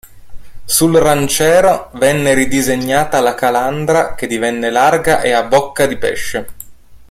Sul Ranchero venne ridisegnata la calandra che divenne larga e a "bocca di pesce".